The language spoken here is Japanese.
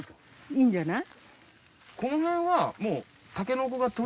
いいんじゃない？